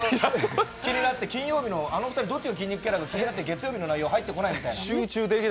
月曜日見ている人もずっと気になって金曜日のあの二人どっちが筋肉キャラか気になって月曜日の内容入ってこないみたいな。